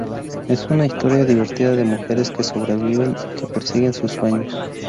Es una historia divertida de mujeres que sobreviven, que persiguen sus sueños.